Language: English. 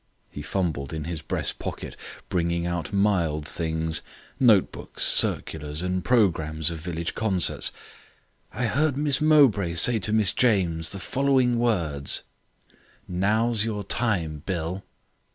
He fumbled in his breast pocket, bringing out mild things, note books, circulars and programmes of village concerts. "I heard Miss Mowbray say to Miss James, the following words: 'Now's your time, Bill.'"